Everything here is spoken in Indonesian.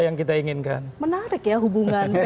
yang kita inginkan menarik ya hubungannya